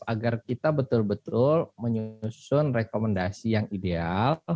agar kita betul betul menyusun rekomendasi yang ideal